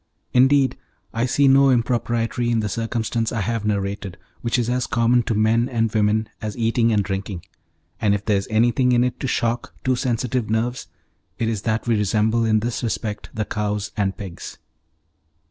Indeed, I see no impropriety in the circumstance I have narrated, which is as common to men and women as eating and drinking; and if there is anything in it to shock too sensitive nerves, it is that we resemble in this respect the cows and pigs.